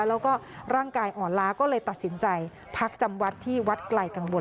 แล้วก็ร่างกายอ่อนล้าก็เลยตัดสินใจพักจำวัดที่วัดไกลกังวล